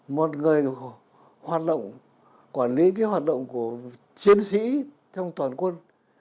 một người quản lý hoạt động của chiến sĩ trong toàn quân